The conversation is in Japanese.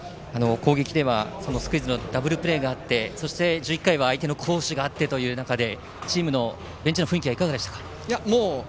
攻撃ではスクイズのダブルプレーがあってそして１１回は相手の好守があってという中でベンチの雰囲気はいかがでしたか。